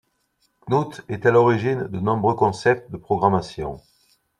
Knuth est à l'origine de nombreux concepts de programmation.